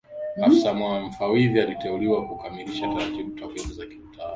Afisa Mfawidhi aliteuliwa kukamilisha taratibu takwimu za kiutawala